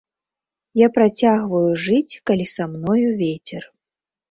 Я працягваю жыць, калі са мною вецер.